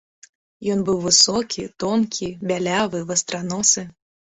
Ён быў высокі, тонкі, бялявы, вастраносы.